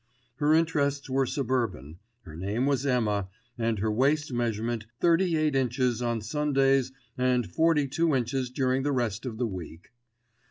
Her interests were suburban, her name was Emma, and her waist measurement thirty eight inches on Sundays and forty two inches during the rest of the week.